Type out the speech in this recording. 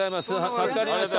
助かりました。